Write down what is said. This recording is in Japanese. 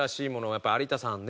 やっぱり有田さんね